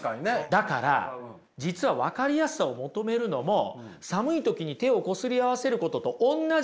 だから実は分かりやすさを求めるのも寒い時に手をこすり合わせることとおんなじなんですよ。